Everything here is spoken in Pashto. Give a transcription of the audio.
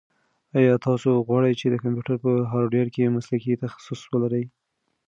ایا تاسو غواړئ چې د کمپیوټر په هارډویر کې مسلکي تخصص ولرئ؟